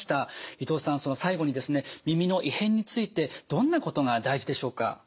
伊藤さん最後にですね耳の異変についてどんなことが大事でしょうか？